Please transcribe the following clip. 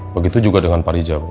begitu juga dengan pak rija bu